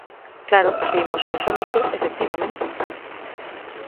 Claro, se imos ao absoluto, ¡efectivamente!